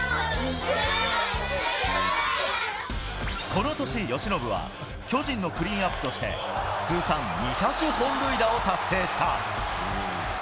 この年、由伸は巨人のクリーンアップとして、通算２００本塁打を達成した。